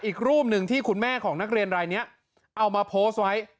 อีกรูปหนึ่งที่คุณแม่ของนักเรียนรายนี้เอามาโพสต์ไว้